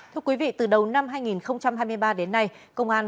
thưa quý vị từ đầu năm hai nghìn hai mươi ba đến nay